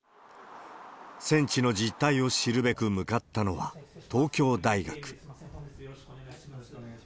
戦地の実態を知るべく向かったのは、東京大学。